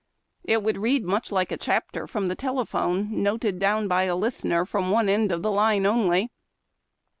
It would read much like a chapter from the telephone — noted down by a listener from one end of the line only.